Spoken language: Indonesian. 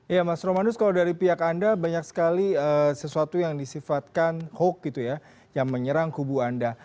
ya mas romanus kalau dari pihak anda banyak sekali sesuatu yang disifatkan hoax gitu ya yang menyerang kubu anda